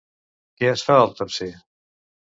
Què es fa al tercer?